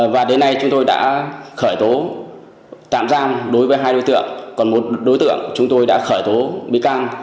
và đến nay chúng tôi đã khởi tố tạm giam đối với hai đối tượng còn một đối tượng chúng tôi đã khởi tố bị can